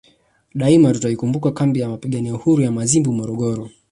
Daima tutaikumbuka kambi ya Wapigania Uhuru ya Mazimbu Morogoro